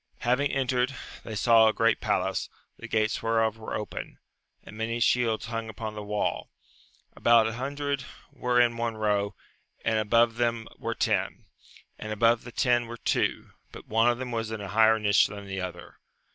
Having entered, they saw a great palace, the gates whereof were open, and many shields hung upon the wall; about an hundred were in one row, and above them were ten, and above the ten were two, but one of them was in a higher nich than the other.